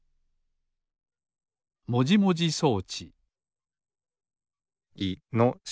もじもじそうちいのし。